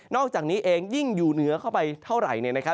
อกจากนี้เองยิ่งอยู่เหนือเข้าไปเท่าไหร่